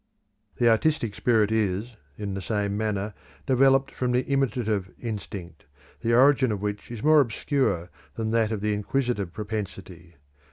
The artistic spirit is, in the same manner, developed from the imitative instinct, the origin of which is more obscure than that of the inquisitive propensity.